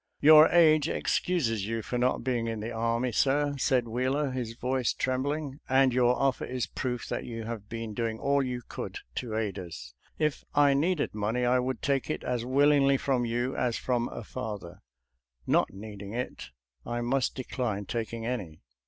" Your age excuses you for not being in the army, sir," said Wheeler, his voice trembling, " and your offer is proof that you have been doing all you could to aid us. If I needed money I would take it as willingly from you as from a father— not needing it, I must decline taking any."